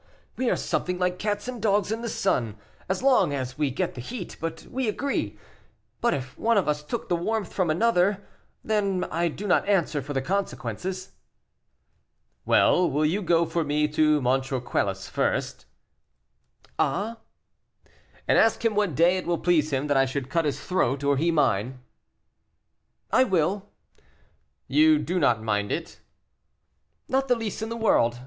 we are something like cats and dogs in the sun; as long as we an get the heat, we agree, but if one of us took the warmth from another, then I do not answer for the consequences." "Well, will you go for me to M. Quelus, first?" "Ah!" "And ask him what day it will please him that I should cut his throat, or he mine?" "I will." "You do not mind it?" "Not the least in the world.